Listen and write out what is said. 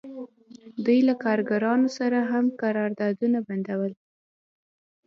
دوی له کارګرانو سره هم قراردادونه بندول